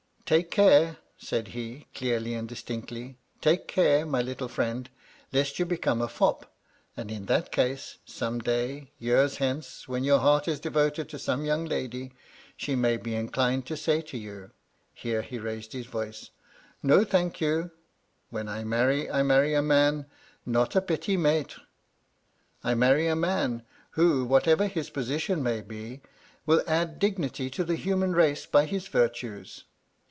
"* Take care,' said he, clearly and distinctly ;* take care, my little friend, lest you become a fop ; and, in that case, some day, years hence, when your heart is devoted to some young lady, she may be inclined to say to you' — ^here he raised his voice — 'No, thank you ; when I marry, I marry a man, not a petit maitre ; I marry a man, who, whatever his position may be, will add dignity to the human race by his virtues.'